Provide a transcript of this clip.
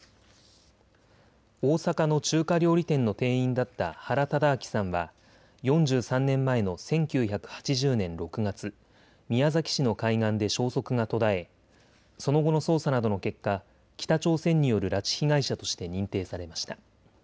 大阪の中華料理店の店員だった原敕晁さんは４３年前の１９８０年６月、宮崎市の海岸で消息が途絶え、その後の捜査などの結果、北朝鮮による拉致被害者として認定されました。